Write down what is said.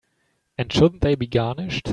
And shouldn't they be garnished?